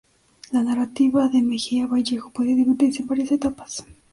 La narrativa de Mejía Vallejo puede dividirse en varias etapas.